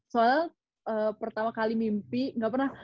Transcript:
soalnya pertama kali mimpi gak pernah